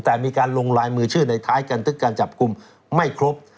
แต่มีการลงลายมือชื่อในท้ายกันทึกการจับกลุ่มไม่ครบ